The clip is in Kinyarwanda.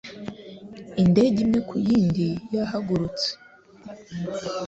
Indege imwe ku yindi yahagurutse.